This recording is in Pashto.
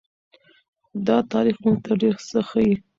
دا تاریخ موږ ته ډېر څه ښيي.